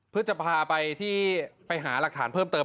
เพื่อจะพาไปที่ไปหาหลักฐานเพิ่มเติม